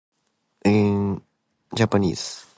In Japanese